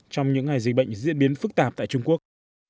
trong những ngày dịch bệnh diễn biến phức tạp tại trung quốc